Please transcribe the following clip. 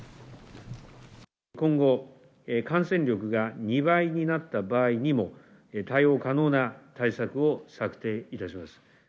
今後、感染力が２倍になった場合にも、対応可能な対策を策定いたします。